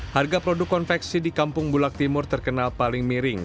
harga produk konveksi di kampung bulak timur terkenal paling miring